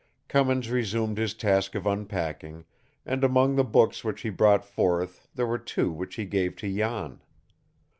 Cummins resumed his task of unpacking, and among the books which he brought forth there were two which he gave to Jan.